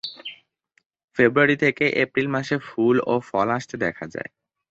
ফেব্রুয়ারি থেকে এপ্রিল মাসে ফুল ও ফল আসতে দেখা যায়।